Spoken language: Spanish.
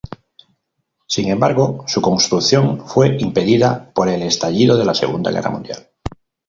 Sin embargo, su construcción fue impedida por el estallido de la Segunda Guerra Mundial.